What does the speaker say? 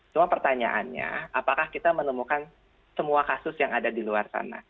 cuma pertanyaannya apakah kita menemukan semua kasus yang ada di luar sana